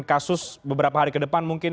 kasus beberapa hari ke depan mungkin